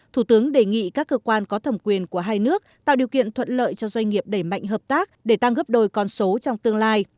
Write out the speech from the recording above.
thủ tướng đề nghị các cơ quan có thẩm quyền của hai nước tạo điều kiện thuận lợi cho doanh nghiệp đẩy mạnh hợp tác để tăng gấp đôi con số trong tương lai